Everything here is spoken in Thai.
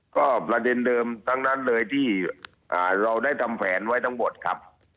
ก็ประเด็นเดิมทั้งนั้นเลยที่เราได้ทำแผนไว้ทั้งหมดครับ